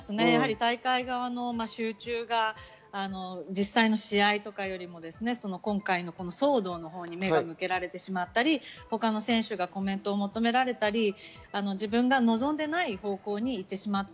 大会側の集中が実際の試合とかよりも今回の騒動に目が向けられてしまったり、他の選手がコメントを求められたり、自分が望んでいない方向に行ってしまった。